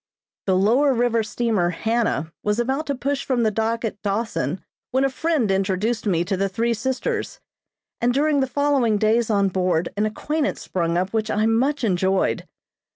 The lower river steamer "Hannah" was about to push from the dock at Dawson when a friend introduced me to the three sisters, and during the following days on board an acquaintance sprung up which I much enjoyed.